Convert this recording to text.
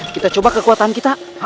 kita coba kekuatan kita